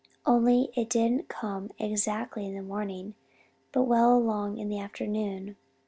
Only it didn't come exactly in the morning but well along in the afternoon.